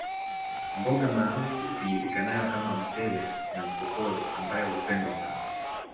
Mboga maarufu ijulikanayo kama msele na nkokoro ambayo hupendwa sana